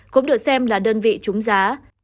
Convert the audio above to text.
cũng được xem là đơn vị trúng giá